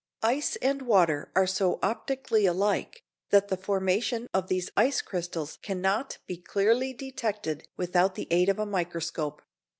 Ice and water are so optically alike, that the formation of these ice crystals cannot be clearly detected without the aid of a microscope.